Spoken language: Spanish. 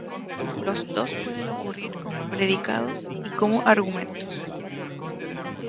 Los dos pueden ocurrir como predicados y como argumentos.